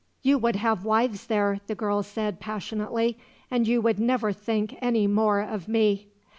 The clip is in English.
"You would have wives there," the girl said passionately; "and you would never think any more of me."